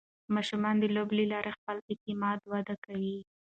ماشومان د لوبو له لارې خپل اعتماد وده کوي.